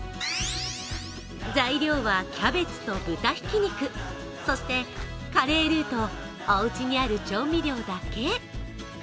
材料はキャベツと豚ひき肉そしてカレールーとおうちにある調味料だけ。